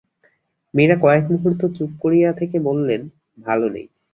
মীরা কয়েক মুহূর্ত চুপ করে থেকে বললেন, ভালো নেই।